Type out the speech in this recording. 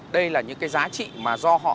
đây là những cái giá trị mà do họ